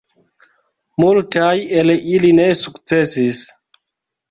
Multaj el ili ne sukcesis.